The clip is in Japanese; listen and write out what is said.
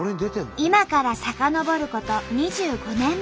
今から遡ること２５年前。